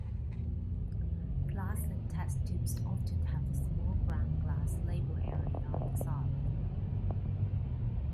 Flasks and test tubes often have a small ground-glass label area on the side.